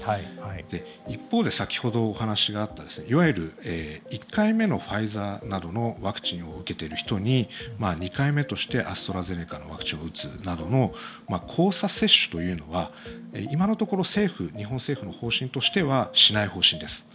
一方で、先ほどお話があったいわゆる１回目のファイザーなどのワクチンを受けている人に２回目としてアストラゼネカのワクチンを打つなどの交差接種というのは今のところ日本政府の方針としてはしない方針です。